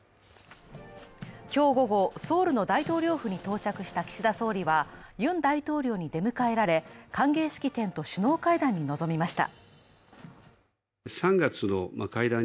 今日午後、ソウルの大統領府に到着した岸田総理は、ユン大統領に出迎えられ、歓迎式典と首脳会談に臨みました。